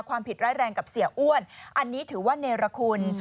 ความผิดร้ายแรงกับเสียอ้วนอันนี้ถือว่าเนรคุณ